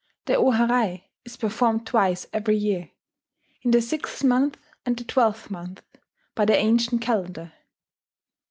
The o harai is performed twice every year, in the sixth month and the twelfth month by the ancient calendar.